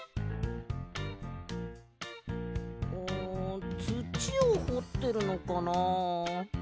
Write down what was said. おつちをほってるのかな？